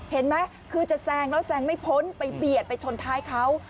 เห็นไหมคือจะแซงแล้วแซงไม่พ้นไปเบียดไปชนท้ายเขา